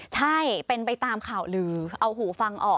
ใช่เป็นไปตามข่าวลือเอาหูฟังออก